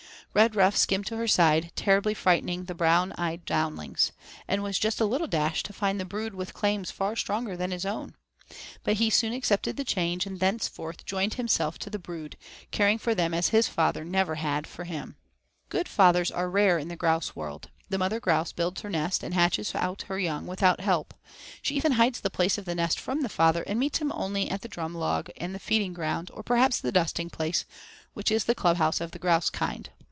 Redruff skimmed to her side, terribly frightening the bright eyed downlings, and was just a little dashed to find the brood with claims far stronger than his own. But he soon accepted the change, and thenceforth joined himself to the brood, caring for them as his father never had for him. VI Good fathers are rare in the grouse world. The mother grouse builds her nest and hatches out her young without help. She even hides the place of the nest from the father and meets him only at the drum log and the feeding ground, or perhaps the dusting place, which is the club house of the grouse kind.